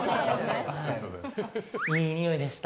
いい匂いでした。